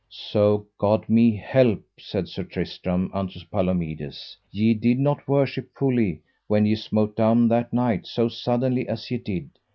So God me help, said Sir Tristram unto Palomides, ye did not worshipfully when ye smote down that knight so suddenly as ye did.